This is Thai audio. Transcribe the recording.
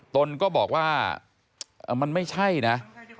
ตนก็บอกว่ามันไม่ใช่นะ